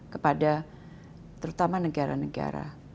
kepada terutama negara negara